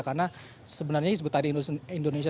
karena sebenarnya hizbut tahrir indonesia